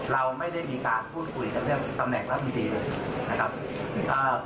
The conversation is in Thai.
เราไม่ได้มีการพูดคุยกันเรื่องตำแหน่งรัฐมนตรีเลยนะครับ